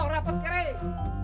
tidak rapat kering